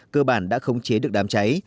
cơ bản đã khống chế được đám cháy